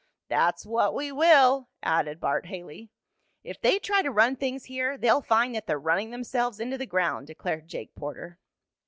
"That's what we will," added Bart Haley. "If they try to run things here they'll find that they're running themselves into the ground," declared Jake Porter.